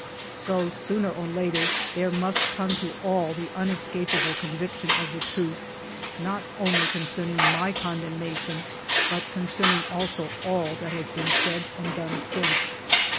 " So, sooner or later, there must come to all the unescapable conviction of the truth, not only con cerning my condemnation, but concerning also all that has been said and done since.